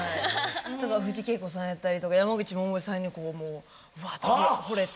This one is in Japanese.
藤圭子さんやったりとか山口百恵さんにうわっとほれて。